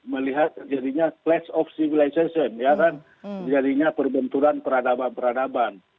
melihat jadinya class of civilization ya kan terjadinya perbenturan peradaban peradaban